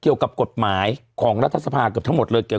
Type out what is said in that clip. เกี่ยวกับกฎหมายของรัฐทรรภาคทั้งหมดเลย